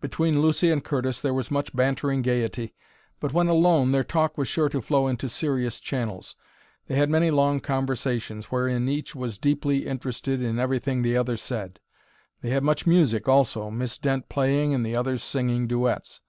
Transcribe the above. Between Lucy and Curtis there was much bantering gayety, but when alone their talk was sure to flow into serious channels. They had many long conversations, wherein each was deeply interested in everything the other said. They had much music also, Miss Dent playing and the others singing duets.